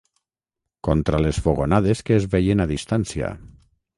Contra les fogonades que es veien a distància